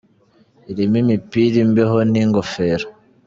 irimo imipira Imbeho n’ingofero.